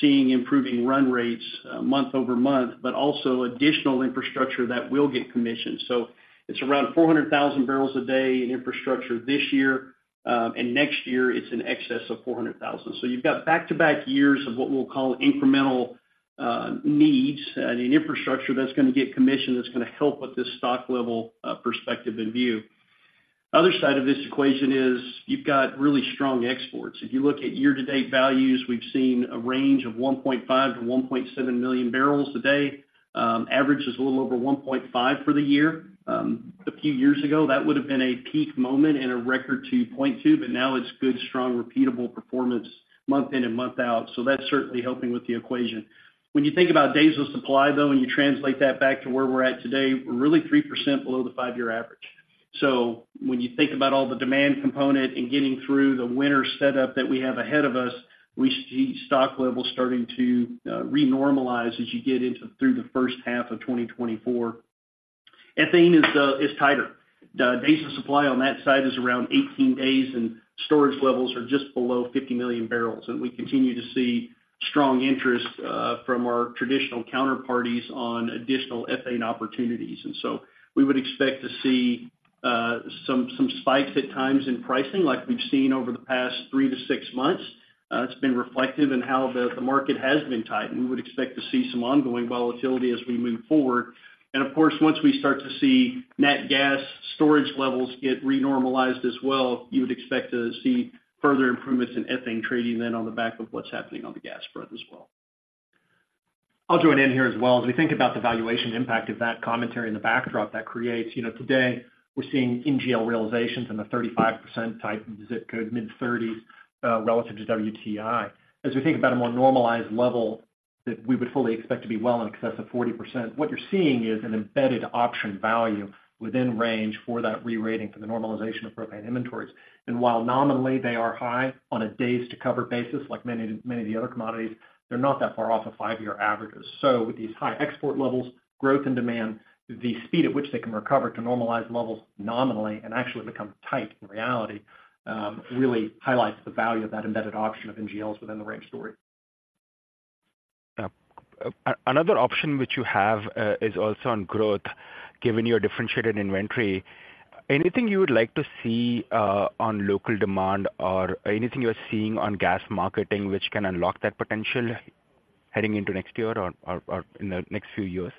seeing improving run rates, month-over-month, but also additional infrastructure that will get commissioned. So it's around 400,000 bbl a day in infrastructure this year, and next year, it's in excess of 400,000. So you've got back-to-back years of what we'll call incremental, needs and an infrastructure that's gonna get commissioned, that's gonna help with this stock level, perspective and view. Other side of this equation is you've got really strong exports. If you look at year-to-date values, we've seen a range of 1.5 million-1.7 million bbl a day. Average is a little over 1.5 for the year. A few years ago, that would have been a peak moment and a record to point to, but now it's good, strong, repeatable performance month in and month out. So that's certainly helping with the equation. When you think about days of supply, though, and you translate that back to where we're at today, we're really 3% below the five-year average. So when you think about all the demand component and getting through the winter setup that we have ahead of us, we see stock levels starting to renormalize as you get into through the first half of 2024. Ethane is tighter. The days of supply on that side is around 18 days, and storage levels are just below 50 million bbl. We continue to see strong interest from our traditional counterparties on additional ethane opportunities. So we would expect to see some spikes at times in pricing, like we've seen over the past three-six months. It's been reflective in how the market has been tight, and we would expect to see some ongoing volatility as we move forward. Of course, once we start to see nat gas storage levels get renormalized as well, you would expect to see further improvements in ethane trading then on the back of what's happening on the gas spread as well. I'll join in here as well. As we think about the valuation impact of that commentary and the backdrop that creates, you know, today, we're seeing NGL realizations in the 35% type ZIP code, mid-30s, relative to WTI. As we think about a more normalized level that we would fully expect to be well in excess of 40%, what you're seeing is an embedded option value within Range for that rerating for the normalization of propane inventories. And while nominally they are high on a days to cover basis, like many, many of the other commodities, they're not that far off of five-year averages. So with these high export levels, growth and demand, the speed at which they can recover to normalize levels nominally and actually become tight in reality, really highlights the value of that embedded option of NGLs within the Range story. Another option which you have is also on growth, given your differentiated inventory. Anything you would like to see on local demand or anything you are seeing on gas marketing, which can unlock that potential heading into next year or in the next few years?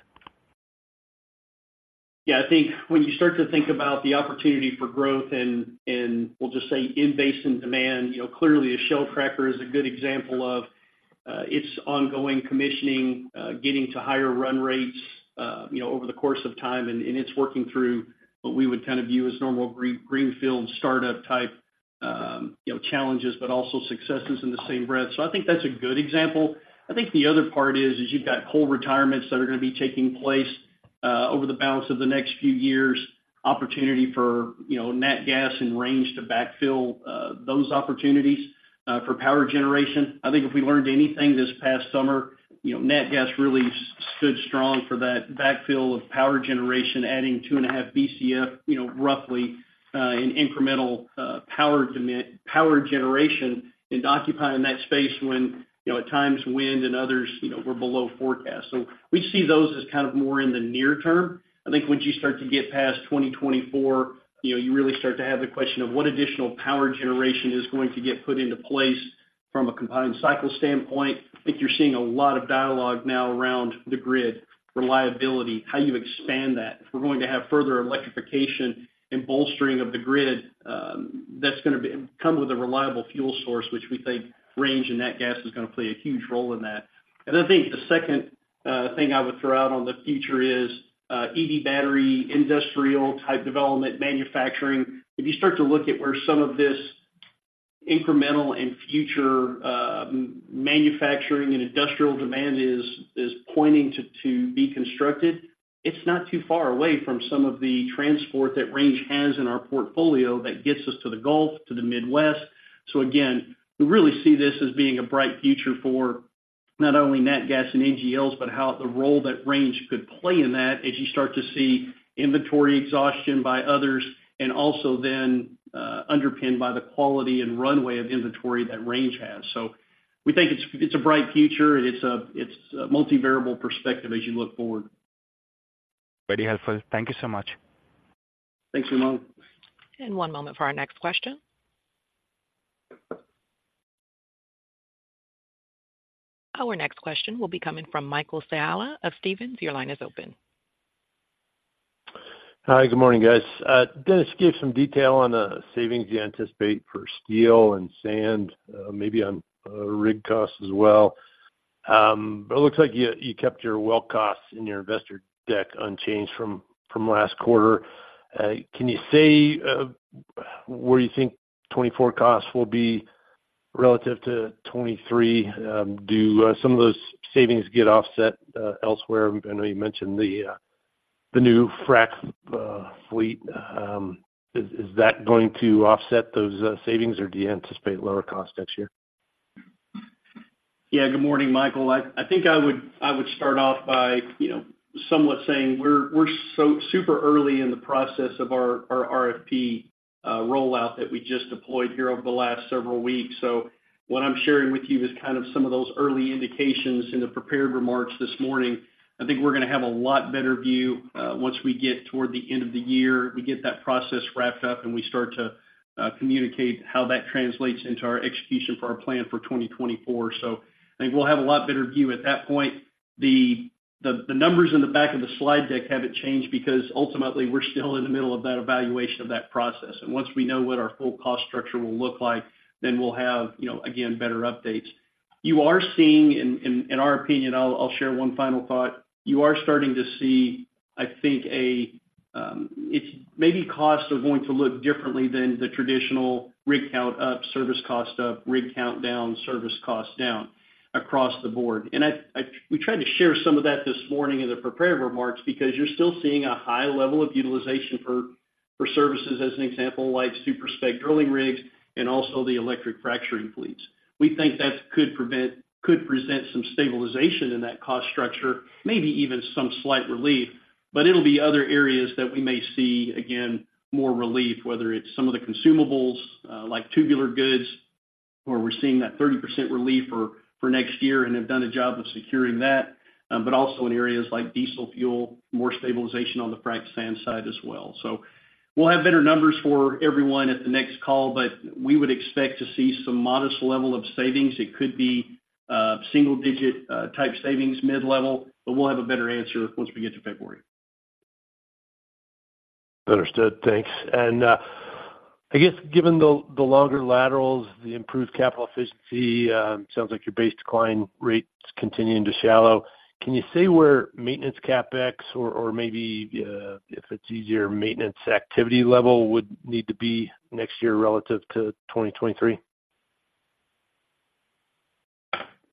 Yeah, I think when you start to think about the opportunity for growth, and we'll just say in basin demand, you know, clearly a Shell cracker is a good example of its ongoing commissioning, getting to higher run rates, you know, over the course of time. And it's working through what we would kind of view as normal greenfield startup type, you know, challenges, but also successes in the same breath. So I think that's a good example. I think the other part is you've got coal retirements that are going to be taking place over the balance of the next few years. Opportunity for, you know, nat gas and Range to backfill those opportunities for power generation. I think if we learned anything this past summer, you know, nat gas really stood strong for that backfill of power generation, adding 2.5 BCF, you know, roughly, in incremental power demand, power generation and occupying that space when, you know, at times, wind and others, you know, were below forecast. So we see those as kind of more in the near term. I think once you start to get past 2024, you know, you really start to have the question of what additional power generation is going to get put into place from a combined cycle standpoint. I think you're seeing a lot of dialogue now around the grid reliability, how you expand that. If we're going to have further electrification and bolstering of the grid, that's going to come with a reliable fuel source, which we think Range and nat gas is going to play a huge role in that. And then I think the second thing I would throw out on the future is EV battery, industrial type development, manufacturing. If you start to look at where some of this incremental and future manufacturing and industrial demand is, is pointing to be constructed, it's not too far away from some of the transport that Range has in our portfolio that gets us to the Gulf, to the Midwest. So again, we really see this as being a bright future for not only nat gas and NGLs, but how the role that Range could play in that as you start to see inventory exhaustion by others, and also then, underpinned by the quality and runway of inventory that Range has. So we think it's, it's a bright future. It's a, it's a multivariable perspective as you look forward. Very helpful. Thank you so much. Thanks, Umang. One moment for our next question. Our next question will be coming from Michael Scialla of Stephens. Your line is open. Hi, good morning, guys. Dennis, give some detail on the savings you anticipate for steel and sand, maybe on rig costs as well. But it looks like you, you kept your well costs in your investor deck unchanged from, from last quarter. Can you say where you think 2024 costs will be relative to 2023? Do some of those savings get offset elsewhere? I know you mentioned the new frac fleet. Is that going to offset those savings, or do you anticipate lower costs next year? Yeah. Good morning, Michael. I think I would start off by, you know, somewhat saying we're super early in the process of our RFP rollout that we just deployed here over the last several weeks. So what I'm sharing with you is kind of some of those early indications in the prepared remarks this morning. I think we're gonna have a lot better view once we get toward the end of the year, we get that process wrapped up, and we start to communicate how that translates into our execution for our plan for 2024. So I think we'll have a lot better view at that point. The numbers in the back of the slide deck haven't changed, because ultimately, we're still in the middle of that evaluation of that process. And once we know what our full cost structure will look like, then we'll have, you know, again, better updates. You are seeing, in our opinion, I'll share one final thought. You are starting to see, I think, It's maybe costs are going to look differently than the traditional rig count up, service cost up, rig count down, service costs down across the board. And I, we tried to share some of that this morning in the prepared remarks, because you're still seeing a high level of utilization for services as an example, like super-spec drilling rigs and also the electric fracturing fleets. We think that could present some stabilization in that cost structure, maybe even some slight relief, but it'll be other areas that we may see, again, more relief, whether it's some of the consumables, like tubular goods, where we're seeing that 30% relief for next year and have done a job of securing that, but also in areas like diesel fuel, more stabilization on the frac sand side as well. So we'll have better numbers for everyone at the next call, but we would expect to see some modest level of savings. It could be single digit type savings, mid-level, but we'll have a better answer once we get to February. Understood. Thanks. And, I guess, given the, the longer laterals, the improved capital efficiency, sounds like your base decline rate is continuing to shallow. Can you say where maintenance CapEx, or, or maybe, if it's easier, maintenance activity level would need to be next year relative to 2023?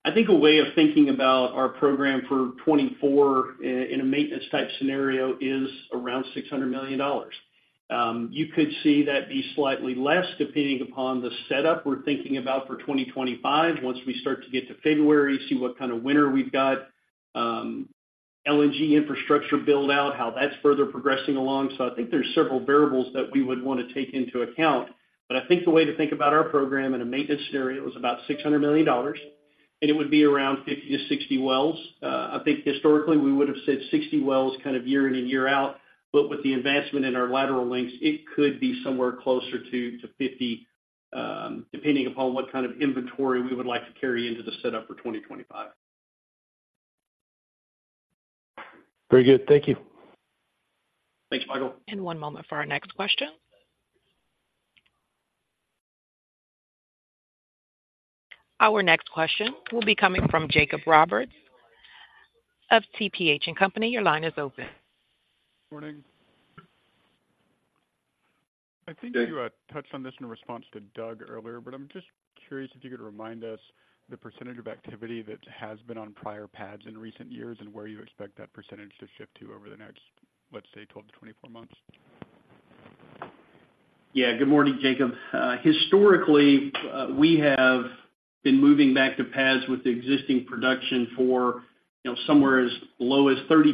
I think a way of thinking about our program for 2024 in a maintenance type scenario is around $600 million. You could see that be slightly less, depending upon the setup we're thinking about for 2025. Once we start to get to February, see what kind of winter we've got, LNG infrastructure build out, how that's further progressing along. So I think there's several variables that we would want to take into account. But I think the way to think about our program in a maintenance scenario is about $600 million, and it would be around 50-60 wells. I think historically, we would have said 60 wells kind of year in and year out, but with the investment in our lateral lengths, it could be somewhere closer to, to 50, depending upon what kind of inventory we would like to carry into the setup for 2025. Very good. Thank you. Thanks, Michael. One moment for our next question. Our next question will be coming from Jacob Roberts of TPH&Co. Your line is open. Morning. I think you touched on this in response to Doug earlier, but I'm just curious if you could remind us the percentage of activity that has been on prior pads in recent years and where you expect that percentage to shift to over the next, let's say, 12-24 months? Yeah. Good morning, Jacob. Historically, we have been moving back to pads with existing production for, you know, somewhere as low as 30%,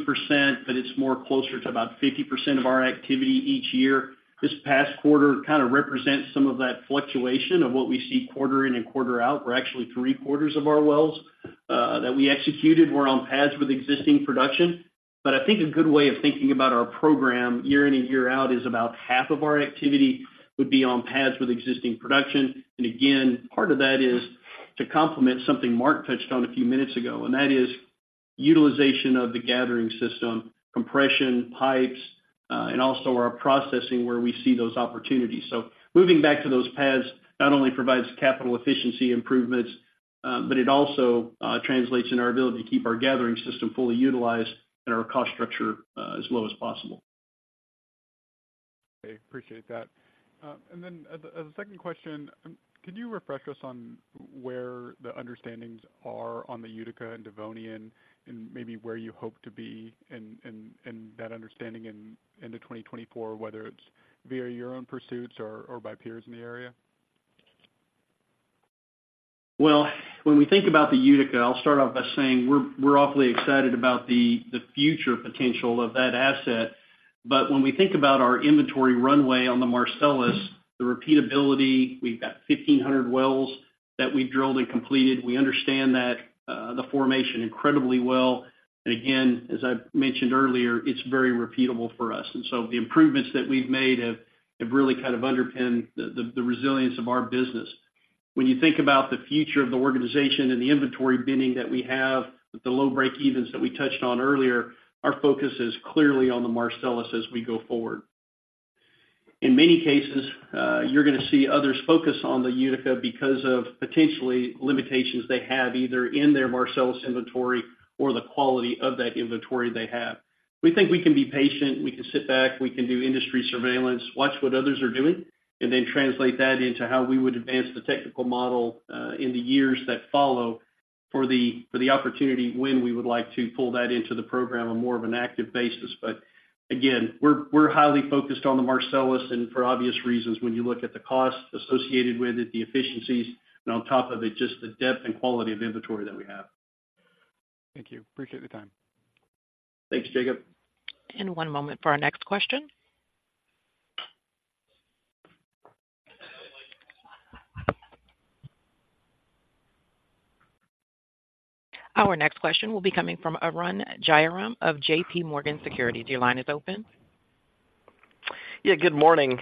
but it's more closer to about 50% of our activity each year. This past quarter kind of represents some of that fluctuation of what we see quarter-in and quarter-out, where actually three quarters of our wells that we executed were on pads with existing production. But I think a good way of thinking about our program year in and year out is about half of our activity would be on pads with existing production. And again, part of that is to complement something Mark touched on a few minutes ago, and that is utilization of the gathering system, compression, pipes, and also our processing, where we see those opportunities. Moving back to those pads not only provides capital efficiency improvements, but it also translates in our ability to keep our gathering system fully utilized and our cost structure as low as possible. I appreciate that. And then as a second question, could you refresh us on where the understandings are on the Utica and Devonian and maybe where you hope to be in that understanding in end of 2024, whether it's via your own pursuits or by peers in the area? Well, when we think about the Utica, I'll start off by saying we're, we're awfully excited about the, the future potential of that asset. But when we think about our inventory runway on the Marcellus, the repeatability, we've got 1,500 wells that we've drilled and completed. We understand that, the formation incredibly well. And again, as I mentioned earlier, it's very repeatable for us. And so the improvements that we've made have, have really kind of underpinned the, the, the resilience of our business. When you think about the future of the organization and the inventory binning that we have, with the low breakevens that we touched on earlier, our focus is clearly on the Marcellus as we go forward. In many cases, you're gonna see others focus on the Utica because of potentially limitations they have, either in their Marcellus inventory or the quality of that inventory they have. We think we can be patient, we can sit back, we can do industry surveillance, watch what others are doing, and then translate that into how we would advance the technical model, in the years that follow for the opportunity when we would like to pull that into the program on more of an active basis. But again, we're highly focused on the Marcellus, and for obvious reasons, when you look at the costs associated with it, the efficiencies, and on top of it, just the depth and quality of inventory that we have. Thank you. Appreciate the time. Thanks, Jacob. One moment for our next question. Our next question will be coming from Arun Jayaram of JPMorgan Securities. Your line is open. Yeah, good morning.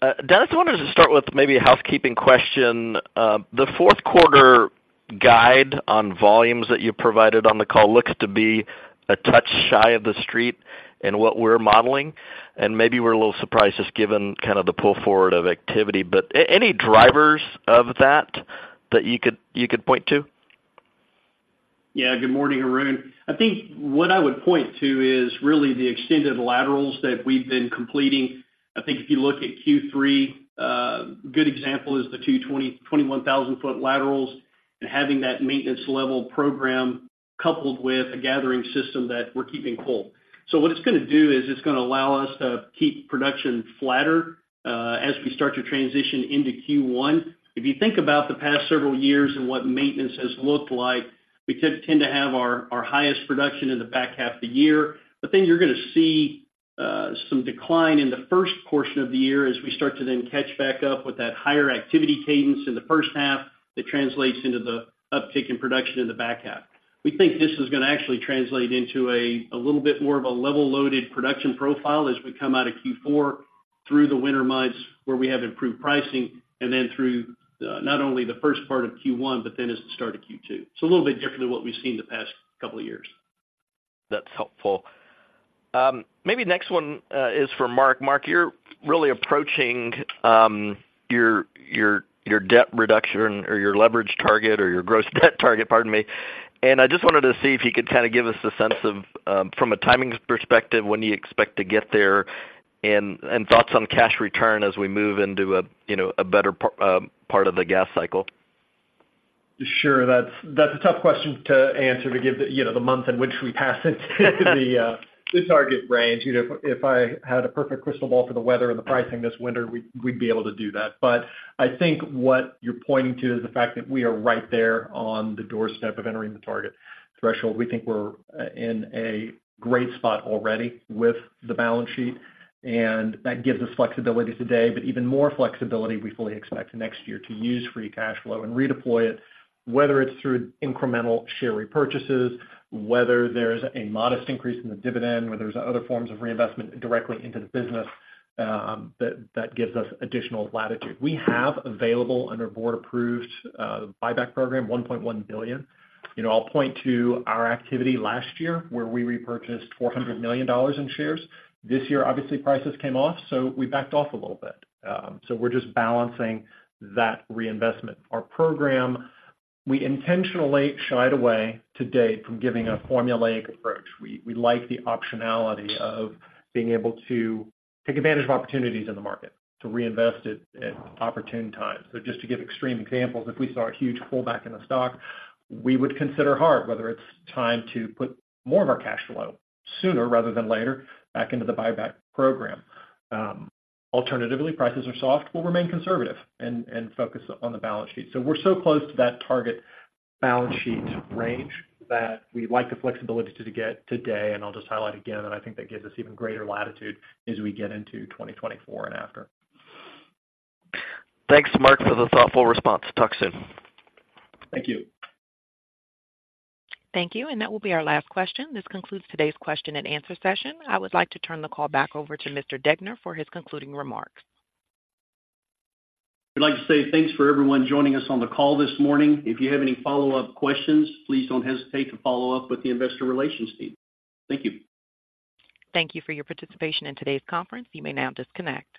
Dennis, I wanted to start with maybe a housekeeping question. The fourth quarter guide on volumes that you provided on the call looks to be a touch shy of the street and what we're modeling, and maybe we're a little surprised, just given kind of the pull forward of activity. But any drivers of that that you could point to? Yeah. Good morning, Arun. I think what I would point to is really the extended laterals that we've been completing. I think if you look at Q3, good example is the 20,000-21,000 ft laterals and having that maintenance level program coupled with a gathering system that we're keeping full. So what it's going to do is it's going to allow us to keep production flatter as we start to transition into Q1. If you think about the past several years and what maintenance has looked like, we tend to have our highest production in the back half of the year. But then you're going to see, some decline in the first portion of the year as we start to then catch back up with that higher activity cadence in the first half, that translates into the uptick in production in the back half. We think this is going to actually translate into a, a little bit more of a level-loaded production profile as we come out of Q4 through the winter months, where we have improved pricing, and then through, not only the first part of Q1, but then as the start of Q2. So a little bit differently than what we've seen the past couple of years. That's helpful. Maybe next one is for Mark. Mark, you're really approaching your debt reduction or your leverage target, or your gross debt target, pardon me. I just wanted to see if you could kind of give us a sense of, from a timing perspective, when do you expect to get there, and thoughts on cash return as we move into, you know, a better part of the gas cycle? Sure. That's a tough question to answer to give the, you know, the month in which we pass into the target range. You know, if I had a perfect crystal ball for the weather and the pricing this winter, we'd be able to do that. But I think what you're pointing to is the fact that we are right there on the doorstep of entering the target threshold. We think we're in a great spot already with the balance sheet, and that gives us flexibility today, but even more flexibility. We fully expect next year to use free cash flow and redeploy it, whether it's through incremental share repurchases, whether there's a modest increase in the dividend, whether there's other forms of reinvestment directly into the business, that gives us additional latitude. We have available under board-approved buyback program, $1.1 billion. You know, I'll point to our activity last year, where we repurchased $400 million in shares. This year, obviously, prices came off, so we backed off a little bit. So we're just balancing that reinvestment. Our program, we intentionally shied away to date from giving a formulaic approach. We, we like the optionality of being able to take advantage of opportunities in the market to reinvest it at opportune times. So just to give extreme examples, if we saw a huge pullback in the stock, we would consider hard whether it's time to put more of our cash flow sooner rather than later back into the buyback program. Alternatively, prices are soft, we'll remain conservative and, and focus on the balance sheet. So we're so close to that target balance sheet range that we like the flexibility to get today. I'll just highlight again, that I think that gives us even greater latitude as we get into 2024 and after. Thanks, Mark, for the thoughtful response. Talk soon. Thank you. Thank you, and that will be our last question. This concludes today's question and answer session. I would like to turn the call back over to Mr. Degner for his concluding remarks. We'd like to say thanks for everyone joining us on the call this morning. If you have any follow-up questions, please don't hesitate to follow up with the investor relations team. Thank you. Thank you for your participation in today's conference. You may now disconnect.